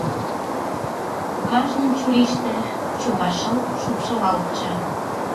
Кажнын чурийыште чогашыл шупшылалтше.